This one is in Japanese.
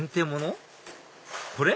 これ？